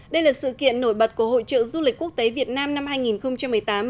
đây là sự kiện nổi bật của hội trợ du lịch quốc tế việt nam năm hai nghìn một mươi tám